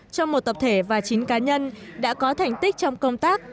trong một tập thể và chính cá nhân đã có thành tích trong công tác